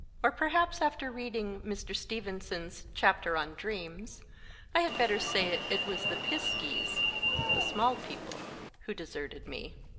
Or perhaps after reading Mr. Steven son s Chapter on Dreams, I had better say it was the Piskies the Small People who deserted me.